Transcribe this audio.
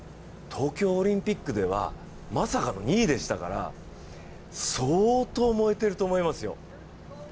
東京オリンピックではまさかの２位でしたから相当燃えていると思いますよ。